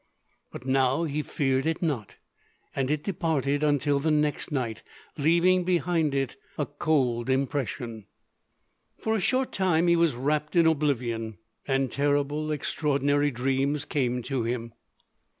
But now he feared it not; and it departed until the next night, leaving behind it a cold impression. For a short time he was wrapped in oblivion, and terrible, extraordinary dreams came to him.